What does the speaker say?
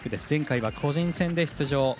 前回は個人戦で出場。